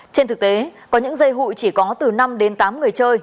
trên thực tế có những dây hụi chỉ có từ năm đến tám người chơi